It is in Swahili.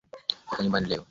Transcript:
Fika nyumbani leo